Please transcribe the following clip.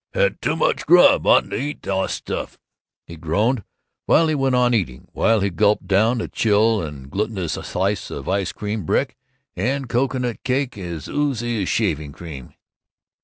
"Had too much grub; oughtn't to eat this stuff," he groaned while he went on eating, while he gulped down a chill and glutinous slice of the ice cream brick, and cocoanut cake as oozy as shaving cream.